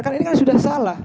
kan ini kan sudah salah